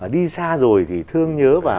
đi xa rồi thì thương nhớ và